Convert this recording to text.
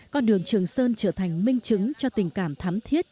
con đường trường sơn trở thành minh chứng cho tình cảm thắm thiết